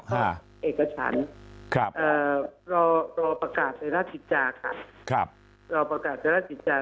อย่างกลับฐานรอประกาศในราชจิตจาค่ะรอประกาศในราชจิตจา